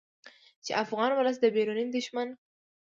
چې افغان ولس د بیروني دښمن